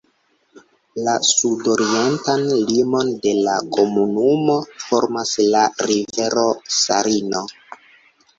La sudorientan limon de la komunumo formas la rivero Sarino.